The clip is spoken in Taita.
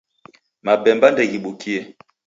Mabemba ndeghibukie.